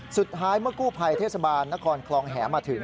สุดท้ายเมื่อกู้ภัยเทศบาลนครคลองแหมาถึง